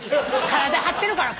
体張ってるから。